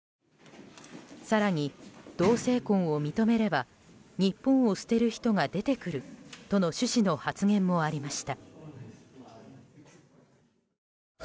更に、同性婚を認めれば日本を捨てる人が出てくるとの趣旨の発言もありました。